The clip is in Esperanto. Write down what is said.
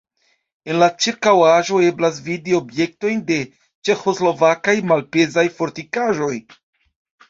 En la ĉirkaŭaĵo eblas vidi objektojn de ĉeĥoslovakaj malpezaj fortikaĵoj.